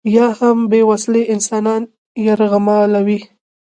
یا هم بې وسلې انسانان یرغمالوي.